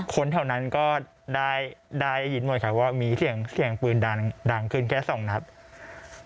คนแถวนั้นก็ได้ยินหมดครับว่ามีเสียงเสียงปืนดังขึ้นแค่สองนัด